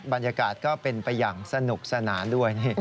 บรรยากาศก็เป็นไปอย่างสนุกสนานด้วย